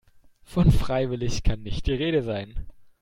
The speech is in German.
Von freiwillig kann nicht die Rede sein.